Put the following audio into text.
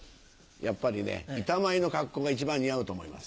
やっぱりね板前の格好が一番似合うと思います。